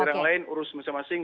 daerah lain urus masing masing